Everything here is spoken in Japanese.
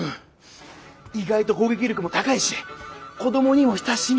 意外と攻撃力も高いし子どもにも親しみがある。